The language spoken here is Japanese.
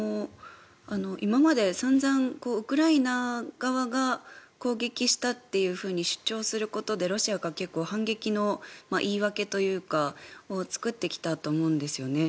今までさんざんウクライナ側が攻撃したというふうに主張することでロシアが反撃の言い訳というかを作ってきたと思うんですよね。